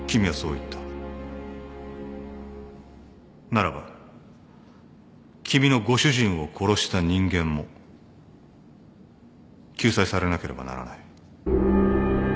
ならば君のご主人を殺した人間も救済されなければならない。